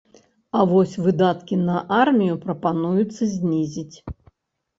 А вось выдаткі на армію прапануецца знізіць.